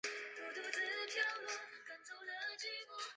吴氏光水蚤为光水蚤科光水蚤属下的一个种。